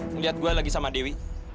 ngeliat gue lagi sama dewi